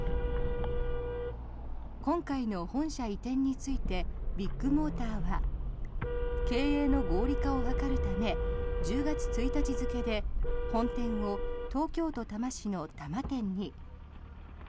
今回の本社移転についてビッグモーターは経営の合理化を図るため１０月１日付で本店を東京都多摩市の多摩店に。